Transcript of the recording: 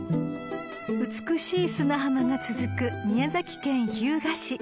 ［美しい砂浜が続く宮崎県日向市］